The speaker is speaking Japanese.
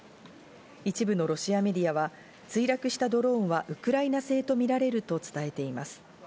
一部のロシアメディアは墜落したドローンはウクライナ製とみられると伝えています。